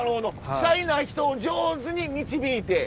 シャイな人を上手に導いて。